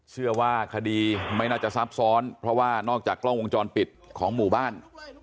เชื่อว่าคดีไม่น่าจะซับซ้อนเพราะว่านอกจากกล้องวงจรปิดของหมู่บ้าน